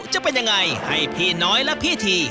จะเป็นยังไงให้พี่น้อยและพี่ที